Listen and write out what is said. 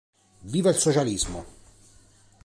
Viva il Socialismo!